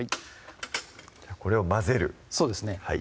これを混ぜるそうですね